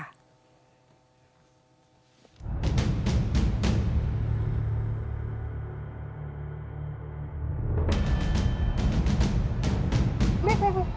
พี่